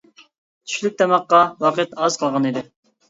چۈشلۈك تاماققا ۋاقىت ئاز قالغان ئىدى.